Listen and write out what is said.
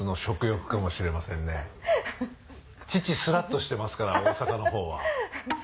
父はスラっとしてますから大阪のほうは。